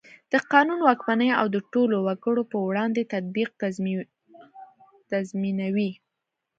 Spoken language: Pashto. د قانون واکمني او د ټولو وګړو په وړاندې تطبیق تضمینوي.